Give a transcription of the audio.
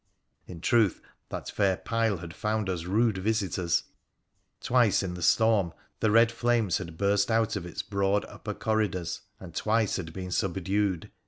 In truth, that fair pile had found us rude visitors ! Twice in the storm the red flames had burst out of its broad upper corridors, and twice had been subdued.